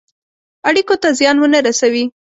اړېکو ته زیان ونه رسوي.